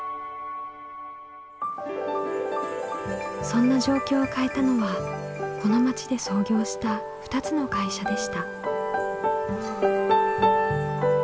そんな状況を変えたのはこの町で創業した２つの会社でした。